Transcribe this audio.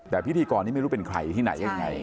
แต่พิธีกรนี้ไม่รู้เป็นใครที่ไหนยังไง